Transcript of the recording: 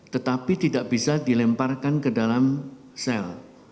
tetapi tidak bisa dilemparkan ke dalam sel